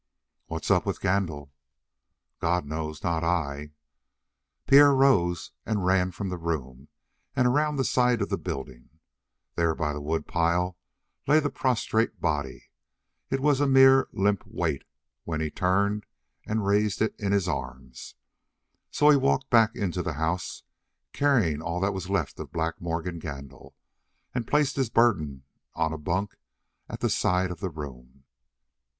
"What's up with Gandil?" "God knows, not I." Pierre rose and ran from the room and around the side of the building. There by the woodpile lay the prostrate body. It was a mere limp weight when he turned and raised it in his arms. So he walked back into the house carrying all that was left of Black Morgan Gandil, and placed his burden on a bunk at the side of the room.